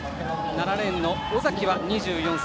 ７レーンの尾崎は２４歳。